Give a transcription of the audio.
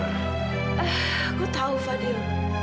aku tau fadil